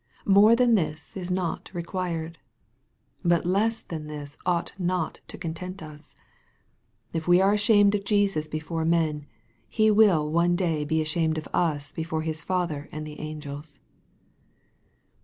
More than this is not required ; but leR than this ought not to content us. If we are ashamed of Jesus before men, He will one day be ashamed of us before His Father and the angels.